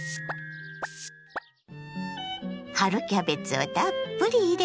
春キャベツをたっぷり入れ